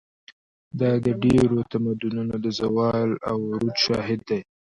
دا د ډېرو تمدنونو د زوال او عروج شاهد دی.